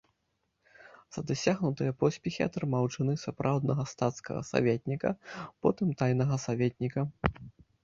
За дасягнутыя поспехі атрымаў чыны сапраўднага стацкага саветніка, потым тайнага саветніка.